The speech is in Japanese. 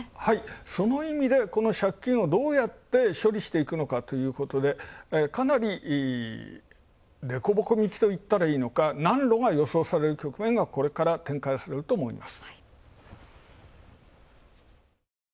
その意味で、この借金をどうやって処理していくのかということで、かなり、デコボコ道といったらいいかのか、難路が予想される局面がこれから展開されると思います。